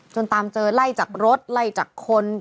ตามเจอไล่จากรถไล่จากคน